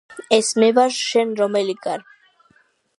ეს მე ვარ შენ რომელი გარ